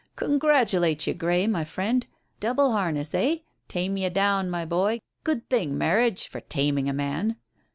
"Congratulate you, Grey, my friend. Double harness, eh? Tame you down, my boy. Good thing, marriage for taming a man."